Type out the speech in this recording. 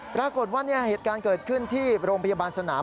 ปรากฏว่าเหตุการณ์เกิดขึ้นที่โรงพยาบาลสนาม